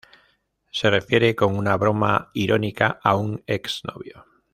Se refiere con una broma irónica a un ex novio.